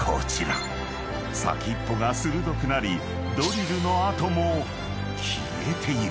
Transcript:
［先っぽが鋭くなりドリルの跡も消えている］